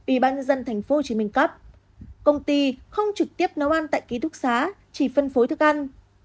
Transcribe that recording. ủy ban nhân dân tp hcm cấp công ty không trực tiếp nấu ăn tại ký thúc xá chỉ phân phối thức ăn